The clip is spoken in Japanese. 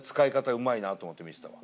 うまいなと思って見てたの。